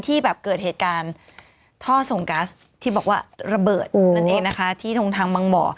ที่แบบเกิดเหตุการณ์ท่อส่งกัสที่บอกว่าระเบิดนั่นเองนะคะที่ตรงทางบางบ่อ